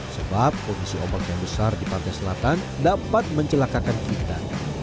sebab kondisi ombak yang besar di pantai selatan dapat mencelakakan kita